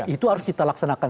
itu harus kita laksanakan